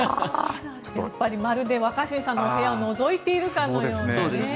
まるで若新さんのお部屋をのぞいているかのようですね。